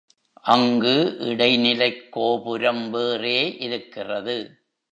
அங்கு இடை நிலைக் கோபுரம் வேறே இருக்கிறது.